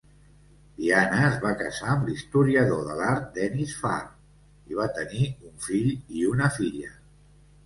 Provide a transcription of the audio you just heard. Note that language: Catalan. Diana es va casar amb l'historiador de l'art Dennis Farr, i va tenir un fill i una filla.